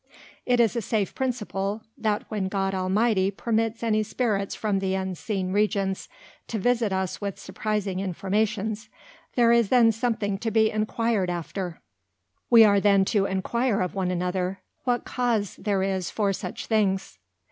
It is a safe Principle, That when God Almighty permits any Spirits from the unseen Regions, to visit us with surprizing Informations, there is then something to be enquired after; we are then to enquire of one another, What Cause there is for such things?